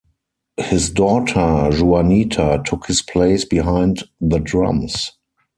His daughter Juanita took his place behind the drums.